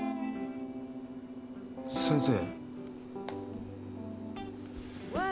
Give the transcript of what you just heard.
先生？